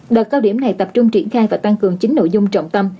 đợt cao điểm này tập trung triển khai và tăng cường chín nội dung trọng tâm